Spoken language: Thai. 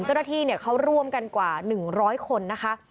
เจ้าหน้าที่เขาร่วมกันกว่า๑๐๐คนนะคะ